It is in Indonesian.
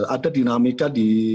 ada dinamika di